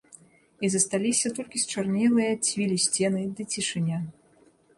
І засталіся толькі счарнелыя ад цвілі сцены ды цішыня.